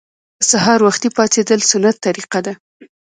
سهار وختي پاڅیدل سنت طریقه ده